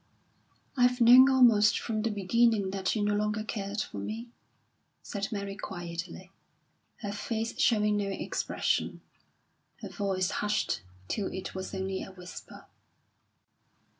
"I've known almost from the beginning that you no longer cared for me," said Mary quietly, her face showing no expression, her voice hushed till it was only a whisper.